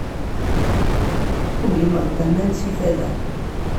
Ugmeɣ-d aman seg tala.